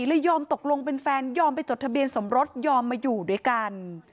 เลยยอมตกลงเป็นแฟนยอมไปจดทะเบียนสมรสยอมมาอยู่ด้วยกัน